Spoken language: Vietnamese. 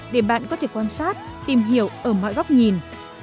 để bạn có thể quan sát tìm hiểu ở mọi góc nhìn